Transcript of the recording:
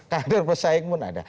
kader pesaing pun ada